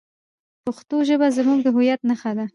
پښتو ژبه زموږ د هویت نښه ده.